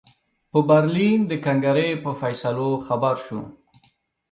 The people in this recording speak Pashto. په برلین د کنګرې په فیصلو خبر شو.